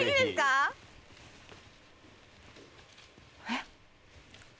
えっ？